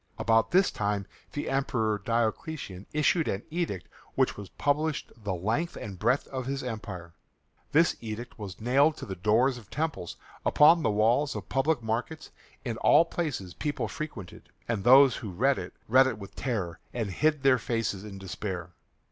About this time the Emperor Diocletian issued an edict which was published the length and breadth of his empire. This edict was nailed to the doors of temples, upon the walls of public markets, in all places people frequented, and those who read it read it with terror and hid their faces in despair.